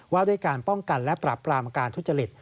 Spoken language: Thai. ว่าด้วยการป้องกันและปรับปรามการทุจริต